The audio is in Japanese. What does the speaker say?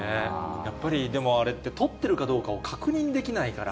やっぱり、でもあれって撮ってるかどうかを確認できないから。